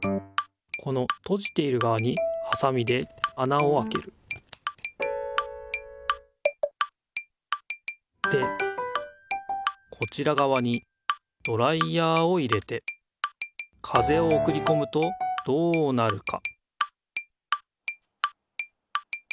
このとじているがわにはさみであなをあけるでこちらがわにドライヤーを入れて風をおくりこむとどうなるか？